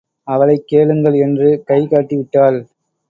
அவளைக் கேளுங்கள் என்று கை காட்டிவிட்டாள்.